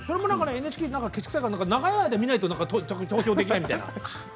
ＮＨＫ長い間見ないと投票できないみたいな。